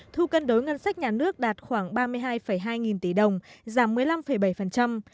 thu cân đối ngân sách nhà nước đạt khoảng ba mươi hai hai nghìn tỷ đồng giảm một mươi năm bảy